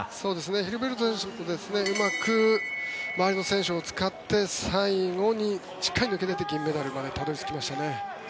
ヒルベルト選手もうまく周りの選手を使って最後に抜け出て銀メダルまでたどり着きましたね。